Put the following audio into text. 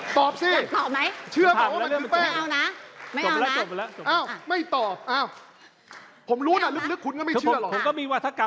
ตอบสิเชื่อผมว่ามันคือแป้งไม่เอานะไม่ตอบอ้าวไม่ตอบ